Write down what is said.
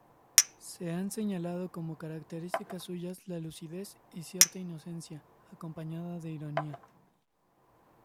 Se han señalado como características suyas la lucidez, y cierta inocencia acompañada de ironía.